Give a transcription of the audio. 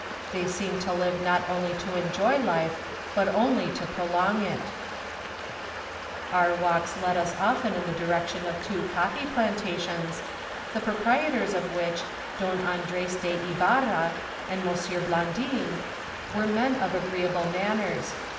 They seem to live not to enjoy life, but only to prolong it. 280 MOUNTAIN ADVENTURES. Our walks led us often in the direction of two coffee plantations, the proprietors of which, Don Andres de Ibarra and M. Blandin, were men of agree¬ able manners.